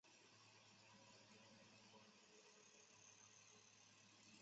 文本框是图形用户界面的计算机软件中能够显示文本的框格区域。